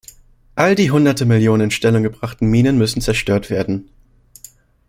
All die Hunderte Millionen in Stellung gebrachten Minen müssen zerstört werden.